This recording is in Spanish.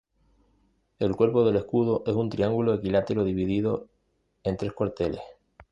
El cuerpo del escudo es un triángulo equilátero dividido en tres cuarteles.